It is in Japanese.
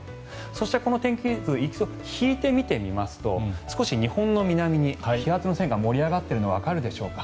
そしてこの天気図一度引いて見てみますと少し日本の南に気圧の線が盛り上がっているのがわかるでしょうか。